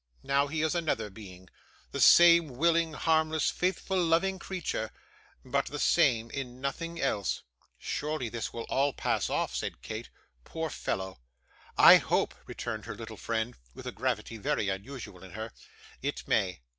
Now, he is another being the same willing, harmless, faithful, loving creature but the same in nothing else.' 'Surely this will all pass off,' said Kate. 'Poor fellow!' 'I hope,' returned her little friend, with a gravity very unusual in her, 'it may.